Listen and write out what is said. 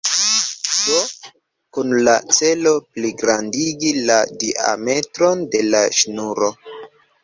Do kun la celo pligrandigi la diametron de la ŝnuro.